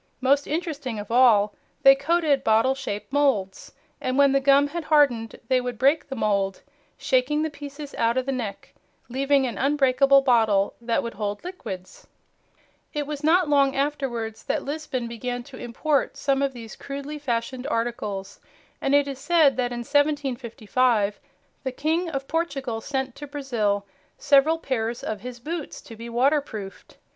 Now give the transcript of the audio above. Most interesting of all, they coated bottle shaped moulds, and when the gum had hardened they would break the mould, shaking the pieces out of the neck, leaving an unbreakable bottle that would hold liquids. Hevea is pronounced Hee' vee uh. Caoutchouc is pronounced koo' chook. It was not long afterwards that Lisbon began to import some of these crudely fashioned articles, and it is said that in 1755 the King of Portugal sent to Brazil several pairs of his boots to be waterproofed.